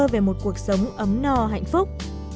về một cuộc sống ấm no hạnh phúc